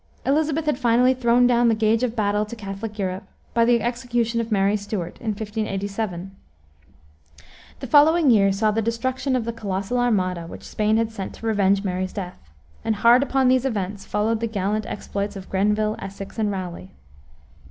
Elisabeth had finally thrown down the gage of battle to Catholic Europe, by the execution of Mary Stuart, in 1587. The following year saw the destruction of the colossal Armada, which Spain had sent to revenge Mary's death, and hard upon these events followed the gallant exploits of Grenville, Essex, and Raleigh.